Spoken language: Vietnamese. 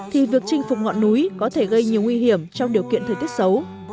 thì việc chinh phục ngọn núi có thể gây nhiều nguy hiểm trong điều kiện thời tiết xấu